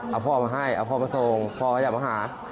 เอาพ่อมาให้เอาพ่อมาส่งพ่อก็อยากมาหา